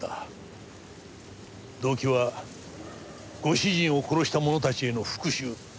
動機はご主人を殺した者たちへの復讐。